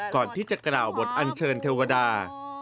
ก่อนที่จะกล่าวบทอันเชิญเทวดา